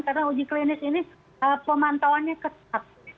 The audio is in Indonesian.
karena uji klinis ini pemantauannya ketat